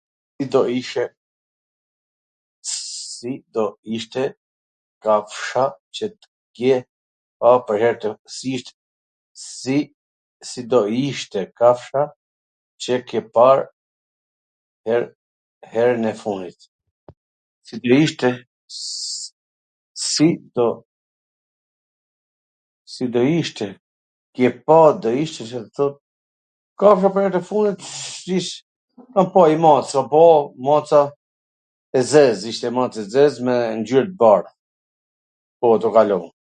Si [do] ishte kafsha qw ke par herwn e fundit? Kafsha pwr her tw fundit, kam pa njw mac, kam pa maca e zez, ishte maca e zez, me ngjyr t bardh, po, tu kalu.